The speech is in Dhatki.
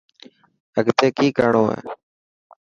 اڳتي ڪئي ڪرڻو هي.